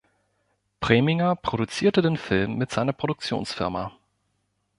Preminger produzierte den Film mit seiner Produktionsfirma.